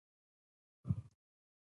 هغه د پوروس پاچا سره جګړه وکړه.